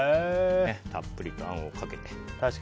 たっぷりとあんをかけて。